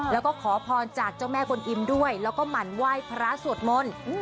แล้วก็ขอพรจากเจ้าแม่กลอิมด้วยแล้วก็หมั่นไหว้พระสวดมนต์